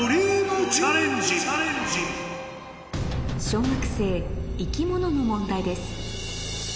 小学生生き物の問題です